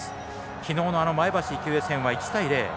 きのうの前橋育英戦は１対０。